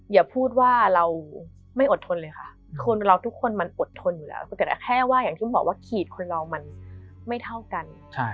อย่าพูดว่าเราไม่อดทนเลยค่ะคนเราทุกคนมันอดทนอยู่แล้วแค่ว่าอย่างที่บอกว่าขีดคนเรามันไม่เท่ากัน